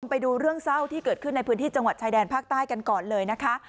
ไปดูเรื่องเศร้าที่เกิดขึ้นในพื้นที่จังหวัดชายแดนภาคใต้กันก่อนเลยนะคะ